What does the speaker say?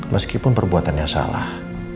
meskipun perbuatannya salah